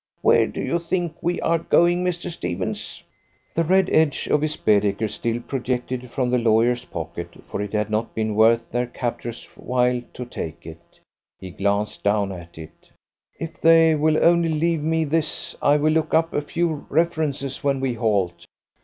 Where do you think we are going, Mr. Stephens?" The red edge of his Baedeker still projected from the lawyer's pocket, for it had not been worth their captor's while to take it. He glanced down at it. "If they will only leave me this, I will look up a few references when we halt.